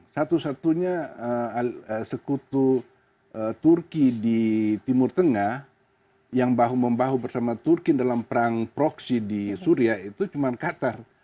satu satunya sekutu turki di timur tengah yang bahu membahu bersama turki dalam perang proksi di syria itu cuma qatar